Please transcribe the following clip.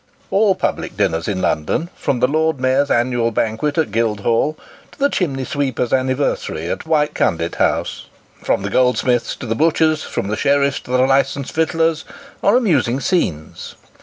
ALL public dinners in London, from the Lord Mayor's annual banquet at Guildhall, to the Chimney sweepers' anniversary at White Conduit House ; from the Goldsmiths' to the Butchers', from the Sheriffs' to the Licensed Victuallers' ; are amusing scenes.